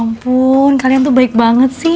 ampun kalian tuh baik banget sih